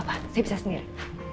gak apa apa saya bisa sendiri